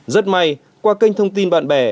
rất may qua kênh truyền thông của anh